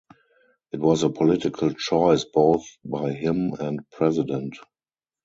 It was a political choice both by him and president.